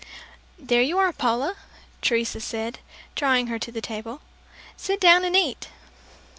"There you are, Paula," Teresa said, drawing her to the table; "Sit down and eat!"